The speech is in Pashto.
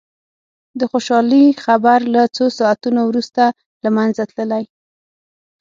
د خوشالي خبر له څو ساعتونو وروسته له منځه تللي.